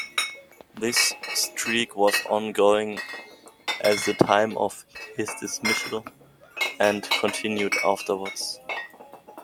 This streak was ongoing at the time of his dismissal and continued afterwards.